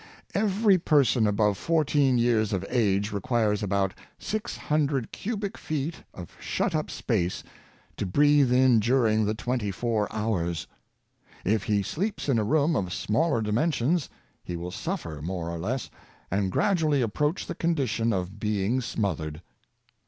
Every person above fourteen years of age requires about six hundred cubic feet of shut up space to breathe in during the twenty four hours. If he sleeps in a room of smaller dimensions, he will suffer more or less, and gradually approach the condition of being smothered.